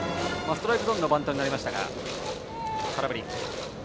ストライクゾーンのバントになりましたが空振り。